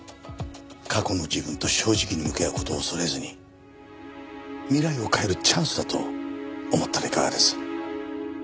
過去の自分と正直に向き合う事を恐れずに未来を変えるチャンスだと思ったらいかがです？